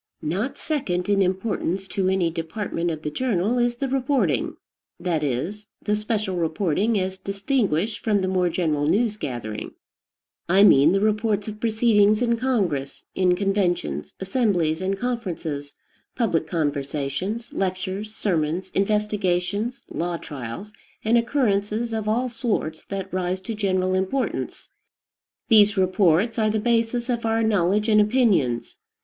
Not second in importance to any department of the journal is the reporting; that is, the special reporting as distinguished from the more general news gathering. I mean the reports of proceedings in Congress, in conventions, assemblies, and conferences, public conversations, lectures, sermons, investigations, law trials, and occurrences of all sorts that rise into general importance. These reports are the basis of our knowledge and opinions.